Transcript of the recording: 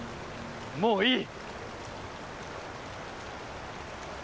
もういい。